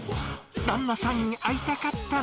旦那さんに会いたかったな。